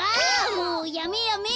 もうやめやめ！